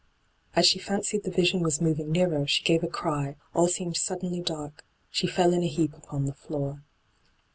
As she fancied the vision was moving nearer, she gave a cry, a]l seemed suddenly dark — she fell in a heap upon the floor.